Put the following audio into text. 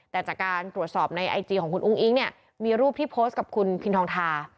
แต่จากการตรวจสอบในไอจีของคุณอุ้งอิ๊งเนี่ยมีรูปที่โพสต์กับคุณพินทองทา